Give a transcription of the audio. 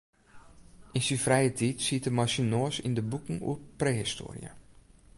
Yn syn frije tiid siet er mei syn noas yn de boeken oer prehistoarje.